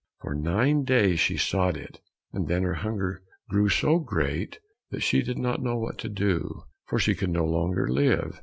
For nine days she sought it, and then her hunger grew so great that she did not know what to do, for she could no longer live.